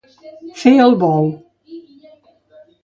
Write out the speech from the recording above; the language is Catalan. Fer el bou.